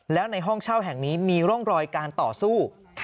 แล้วในห้องเช่าแห่งนี้มีร่องรอยการต่อสู้